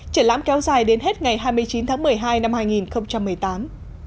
triển lãm kéo dài đến hết ngày hai mươi chín tháng một mươi hai năm hai nghìn một mươi tám